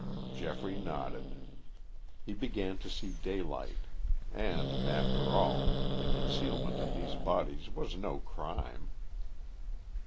Geoffrey nodded. He began to see daylight. And, after all, the concealment of these bodies was no crime.